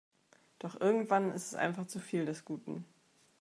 Doch irgendwann ist es einfach zu viel des Guten.